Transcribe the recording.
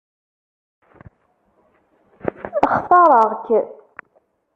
Xtareɣ-k.